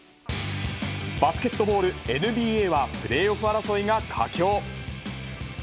バスケットボールＮＢＡは、プレーオフ争いが佳境。